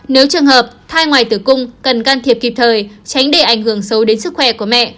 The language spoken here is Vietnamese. nếu trường hợp thai ngoài tử cung cần can thiệp kịp thời tránh để ảnh hưởng sâu đến sức khỏe của mẹ